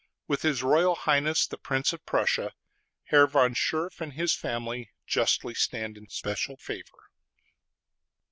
With his Royal Highness the Prince of Prussia, Herr von Scherff and his family justly stand in special favor.